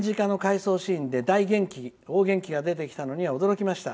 戦時下の回想シーンで大元気が出てきたのには驚きました。